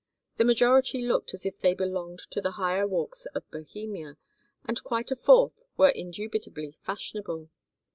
The majority looked as if they belonged to the higher walks of Bohemia, and quite a fourth were indubitably fashionable.